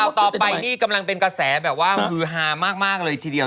ต่อไปนี่กำลังเป็นกระแสแบบว่าฮือฮามากเลยทีเดียว